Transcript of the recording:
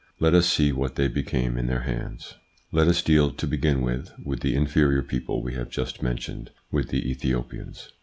Let us see what they became in their hands. Let us deal, to begin with, with the inferior people we have just mentioned with the Ethiopians.